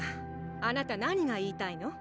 あなた何が言いたいの？